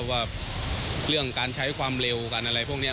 ว่าเรื่องการใช้ความเร็วการอะไรพวกนี้